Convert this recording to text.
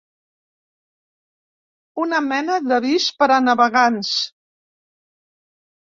Una mena d'avís per a navegants.